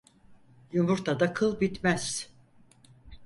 Yumurtada kıl bitmez.